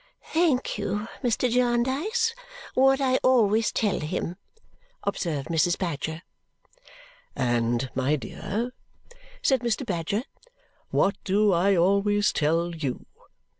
"Thank you, Mr. Jarndyce! What I always tell him!" observed Mrs. Badger. "And, my dear," said Mr. Badger, "what do I always tell you?